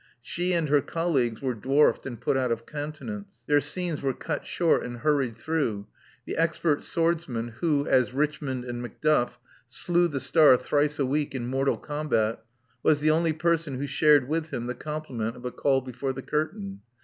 She and her colleagues were dwarfed and put out of countenance ; their scenes were cut short and hurried through ; the expert swords man who, as Richmond and Macduff, slew the star thrice a week in mortal combat, was the only person who shared with him the compliment of a call before the curtain.